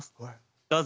どうぞ。